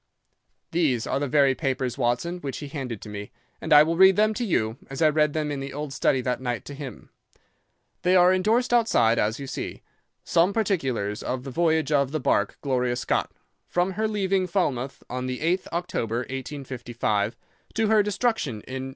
"These are the very papers, Watson, which he handed to me, and I will read them to you, as I read them in the old study that night to him. They are endorsed outside, as you see, 'Some particulars of the voyage of the bark Gloria Scott, from her leaving Falmouth on the 8th October, 1855, to her destruction in N.